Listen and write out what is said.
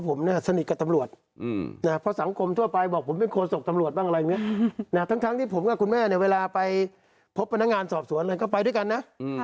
พบพนักงานสอบสวนอะไรก็ไปด้วยกันนะ